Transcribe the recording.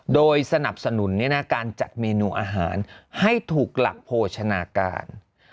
โดยสนับสนุนการจัดเมนูอาหารให้ถูกหลักโภชนาการ